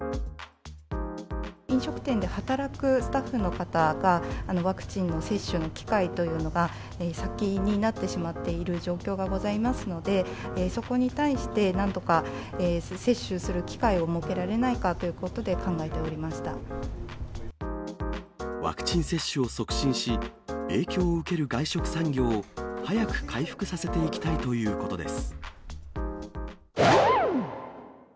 飲食店で働くスタッフの方が、ワクチンの接種の機会というのが、先になってしまっている状況がございますので、そこに対してなんとか接種する機会を設けられないかということでワクチン接種を促進し、影響を受ける外食産業を早く回復させていきたいということです。